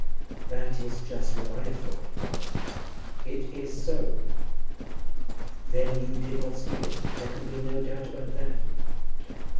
"That is just what I have thought." "It is so." "Then you did not steal it. There can be no doubt about that."